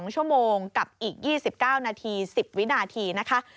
๒ชั่วโมงกับอีก๒๙นาที๑๐วินาทีนะคะ